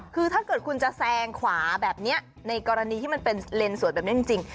คือถ้าเกิดคุณจะแซงขวาแบบนี้ในกรณีที่มันเป็นเลนสวยแบบนี้จริง